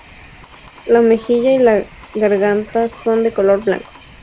La mejilla y la garganta son de color blanco.